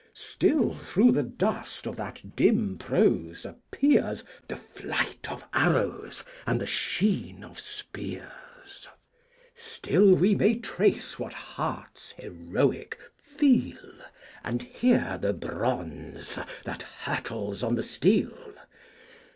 Still through the Dust of that dim Prose appears The Flight of Arrows and the Sheen of Spears; Still we may trace what Hearts heroic feel, And hear the Bronze that hurtles on the Steel!